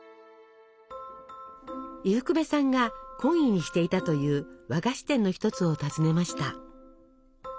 伊福部さんが懇意にしていたという和菓子店の一つを訪ねました。